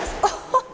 あっ！